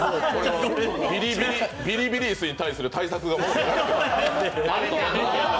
ビリビリ椅子に対する対策ができている。